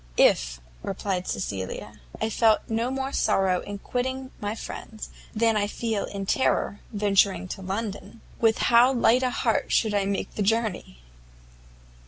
"If," replied Cecilia, "I felt no more sorrow in quitting my friends, than I feel terror in venturing to London, with how light a heart should I make the journey!"